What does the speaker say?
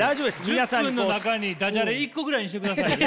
１０分の中にダジャレ一個ぐらいにしてくださいよ。